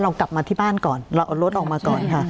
เรากลับมาที่บ้านก่อนเราเอารถออกมาก่อนค่ะ